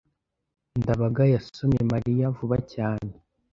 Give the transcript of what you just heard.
ndabaga yasomye mariya vuba cyane